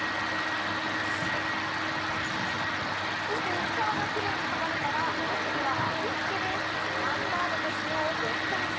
そして薄皮がキレイにはがれたら次は味つけです。